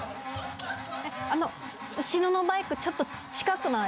あの後ろのバイクちょっと近くない？